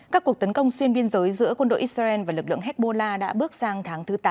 các cuộc tấn công xuyên biên giới giữa quân đội israel và lực lượng hezbollah đã bước sang tháng thứ tám